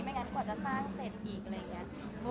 งั้นกว่าจะสร้างเสร็จอีกอะไรอย่างนี้